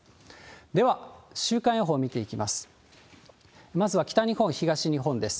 では、週間予報見ていきます。